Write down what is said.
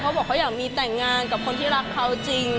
เขาบอกเขาอยากมีแต่งงานกับคนที่รักเขาจริง